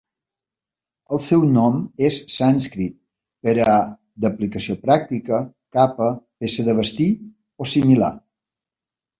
El seu nom és sànscrit per a "d'aplicació pràctica - capa - peça de vestir" o similar.